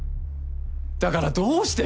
だからどうして？